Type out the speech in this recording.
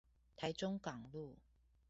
台中港路